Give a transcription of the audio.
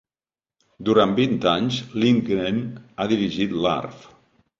Durant vint anys, Lindgren ha dirigit l'Arf!